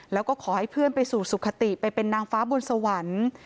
แล้วก็ขอให้เพื่อนไปสู่สุขติไปเป็นนางฟ้าบนสวรรค์